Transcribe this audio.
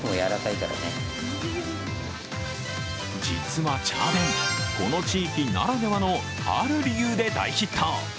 実はチャー弁、この地域ならではのある理由で大ヒット。